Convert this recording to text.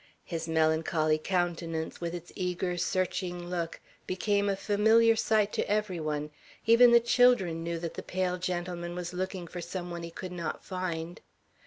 His melancholy countenance, with its eager, searching look, became a familiar sight to every one; even the children knew that the pale gentleman was looking for some one he could not find.